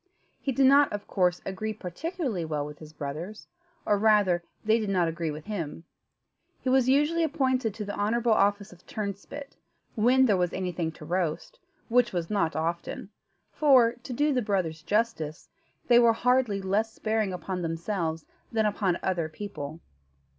He did not, of course, agree particularly well with his brothers, or, rather, they did not agree with him. He was usually appointed to the honourable office of turnspit, when there was anything to roast, which was not often; for, to do the brothers justice, they were hardly less sparing upon themselves than upon other people.